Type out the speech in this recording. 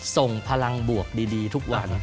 ส่งพลังบวกดีทุกวัน